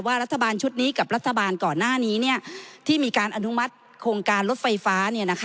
รัฐบาลชุดนี้กับรัฐบาลก่อนหน้านี้ที่มีการอนุมัติโครงการรถไฟฟ้า